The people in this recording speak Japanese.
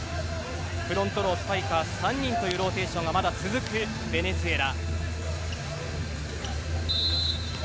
フロントロースパイカー３人というローテーションがまだ続くベネズエラ。